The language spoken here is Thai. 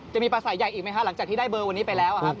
จะมีประสัยใหญ่อีกไหมคะหลังจากที่ได้เบอร์วันนี้ไปแล้วครับ